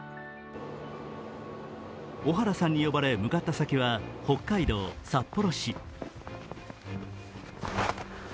小原さんに呼ばれ、向かった先は北海道札幌市。